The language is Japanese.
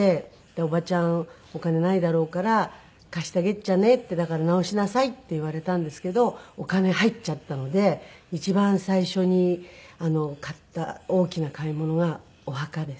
「おばちゃんお金ないだろうから貸してあげっちゃね」って「だから直しなさい」って言われたんですけどお金入っちゃったので一番最初に買った大きな買い物はお墓です。